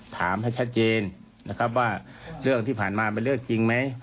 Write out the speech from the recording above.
ถามให้ชัดเจนนะครับว่าเรื่องที่ผ่านมาเป็นเรื่องจริงไหม